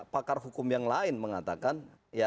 pakar hukum yang lain mengatakan